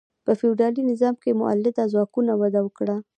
په فیوډالي نظام کې مؤلده ځواکونه وده وکړه.